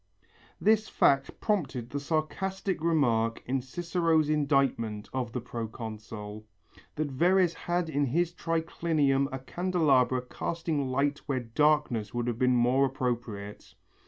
This fact prompted the sarcastic remark in Cicero's indictment of the proconsul, that Verres had in his triclinium a candelabra casting light where darkness would have been more appropriate.